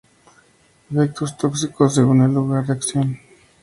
Efectos tóxicos según el lugar de acción.